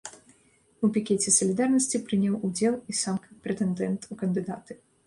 У пікеце салідарнасці прыняў удзел і сам прэтэндэнт у кандыдаты.